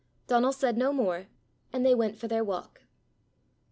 Donal said no more, and they went for their walk.